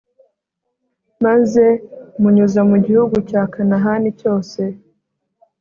maze munyuza mu gihugu cya kanahani cyose